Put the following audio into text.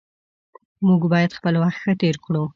موږ باید خپل وخت ښه تیر کړو